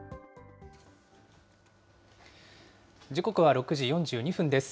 時刻は６時４２分です。